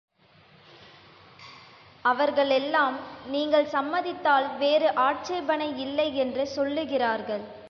அவர்களெல்லாம் நீங்கள் சம்மதித்தால் வேறு ஆட்சேபணையில்லையென்று சொல்லுகிறார்கள்.